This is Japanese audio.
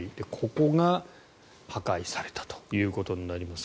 ここが破壊されたということになります。